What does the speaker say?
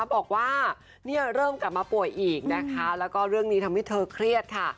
บอกว่าเนี่ยเริ่มกลับมาป่วยอีกนะคะแล้วก็เรื่องนี้ทำให้เธอเครียดค่ะ